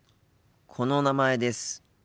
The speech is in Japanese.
この「名前」です。